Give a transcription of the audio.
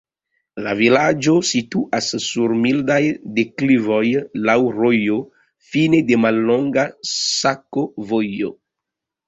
La vilaĝo situas sur mildaj deklivoj, laŭ rojo, fine de mallonga sakovojo.